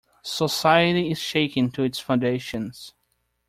Society is shaken to its foundations.